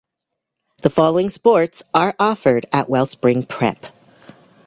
The following sports are offered at Wellspring Prep.